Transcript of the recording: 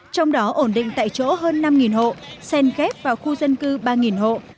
trong đó ổn định tại chỗ hơn năm hộ sen ghép vào khu dân cư ba hộ